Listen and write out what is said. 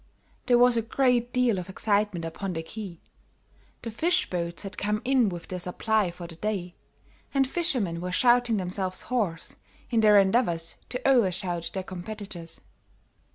There was a great deal of excitement upon the quay the fish boats had come in with their supply for the day, and fishermen were shouting themselves hoarse in their endeavors to over shout their competitors.